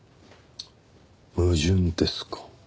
矛盾ですか。